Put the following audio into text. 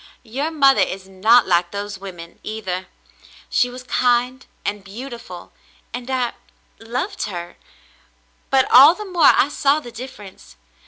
Your mother is not like those women, either. She was kind and beautiful, and — I — loved her, but all the more I saw the difference.